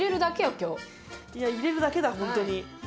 いや入れるだけだホントに。